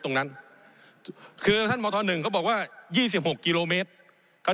ผมอภิปรายเรื่องการขยายสมภาษณ์รถไฟฟ้าสายสีเขียวนะครับ